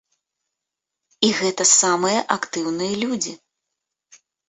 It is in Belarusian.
І гэта самыя актыўныя людзі.